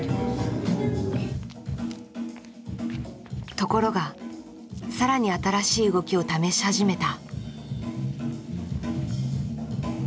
ところが更に新しい動きを試し始めた。